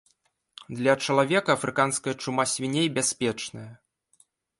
Для чалавека афрыканская чума свіней бяспечная.